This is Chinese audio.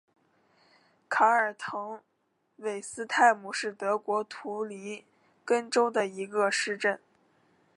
卡尔滕韦斯泰姆是德国图林根州的一个市镇。